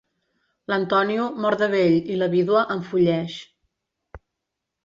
L'Antònio mor de vell i la vídua enfolleix.